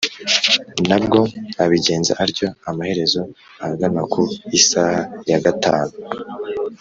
Na bwo abigenza atyo amaherezo ahagana ku isaha ya gatanu